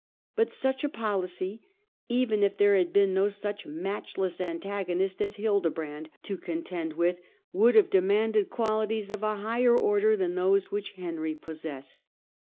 But such a policy, even if there had been no such matchless antago nist as Hildebrand to contend with, would have de manded abilities of a higher order than those which Henry possessed.